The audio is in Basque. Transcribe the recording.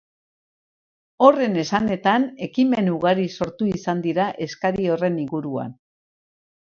Horren esanetan, ekimen ugari sortu izan dira eskari horren inguruan.